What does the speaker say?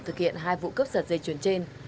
thực hiện hai vụ cấp giật dây chuẩn trên